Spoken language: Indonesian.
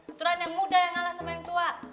aturan yang muda yang ngalah sama yang tua